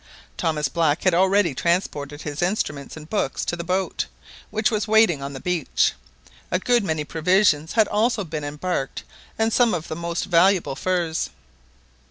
Thomas Black had already transported his instruments and books into the boat, which was waiting on the beach. A good many provisions had also been embarked and some of the most valuable furs.